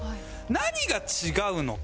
何が違うのか？